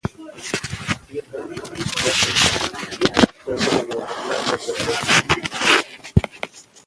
دې پېښو د ټولنې پر اخلاقو بده اغېزه وکړه.